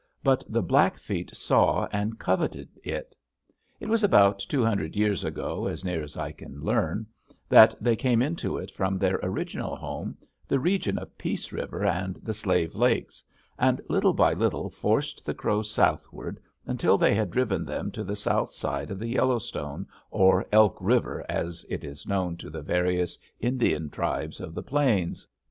But the Blackfeet saw and coveted it. It was about two hundred years ago, as near as I can learn, that they came into it from their original home, the region of Peace River and the Slave Lakes, and little by little forced the Crows southward until they had driven them to the south side of the Yellowstone, or Elk River, as it is known to the various Indian tribes of the plains.